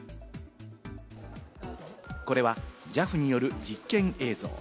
これはＪＡＦによる実験映像。